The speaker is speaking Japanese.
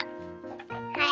はい。